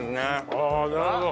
ああなるほど。